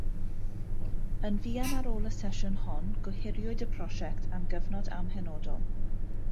Yn fuan ar ôl y sesiwn hon gohiriwyd y prosiect am gyfnod amhenodol.